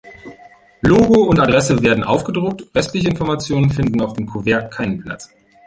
Logo und Adresse werden aufgedruckt, restliche Informationen finden auf dem Kuvert keinen Platz.